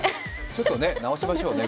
ちょっと直しましょうね。